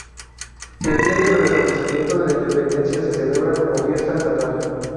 El día del restablecimiento de la independencia se celebra como fiesta estatal.